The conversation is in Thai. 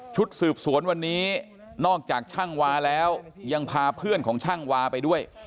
ชุดสืบสวนวันนี้นอกจากช่างวาแล้วยังพาเพื่อนของช่างวาไปด้วย